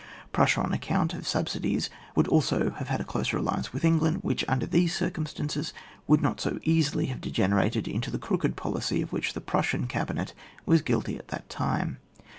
Prussia on account of subsidies would also have had a closer alliance with England, which, under these circum stances, would not so easily have dege nerated into the crooked policy of which the Prussian cabinet was guilty at that time.